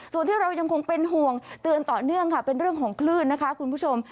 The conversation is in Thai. ส่วนที่เรายังคงเป็นห่วงเตือนต่อเนื่องค่ะเป็นเรื่องของคลื่นนะคะคุณผู้ชม